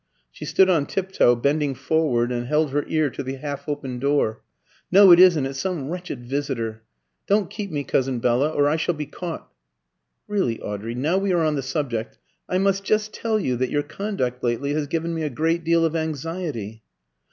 She stood on tiptoe, bending forward, and held her ear to the half open door. "No, it isn't; it's some wretched visitor. Don't keep me, Cousin Bella, or I shall be caught." "Really, Audrey, now we are on the subject, I must just tell you that your conduct lately has given me a great deal of anxiety."